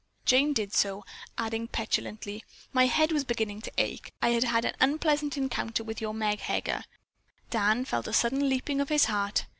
Jane did so, adding petulantly: "My head was beginning to ache. I had had an unpleasant encounter with your Meg Heger." Dan felt a sudden leaping of his heart.